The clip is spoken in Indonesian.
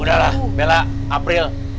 udah lah bella april